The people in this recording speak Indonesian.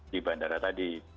di bandara tadi